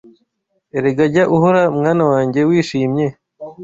Erega jya uhora mwana wanjye wishimye